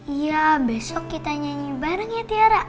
iya besok kita nyanyi bareng ya tiara